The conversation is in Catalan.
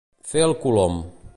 Fer el colom.